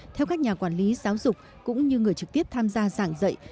theo các nhà quản lý giáo dục cũng như người trực tiếp tham gia giảng dạy